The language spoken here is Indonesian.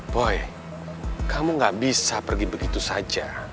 boy kamu gak bisa pergi begitu saja